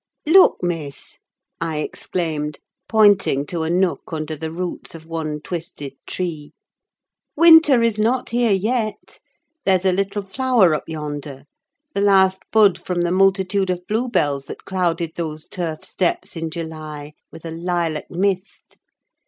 "Look, Miss!" I exclaimed, pointing to a nook under the roots of one twisted tree. "Winter is not here yet. There's a little flower up yonder, the last bud from the multitude of bluebells that clouded those turf steps in July with a lilac mist.